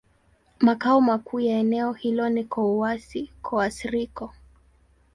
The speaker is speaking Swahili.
Makao makuu ya eneo hilo ni Kouassi-Kouassikro.